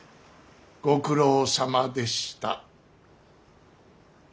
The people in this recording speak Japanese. ご苦労さまでした。